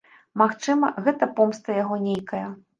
Магчыма, гэта помста яго нейкая.